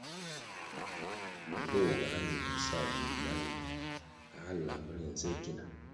Ndtoh ga numbo sa vumbi mañuer kăh lap ri nze gina.